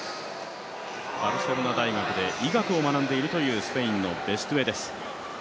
バルセロナ大学で医学を学んでいるというスペインのベストゥエです。